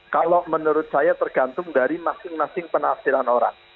kalau menurut saya tergantung dari masing masing penafsiran orang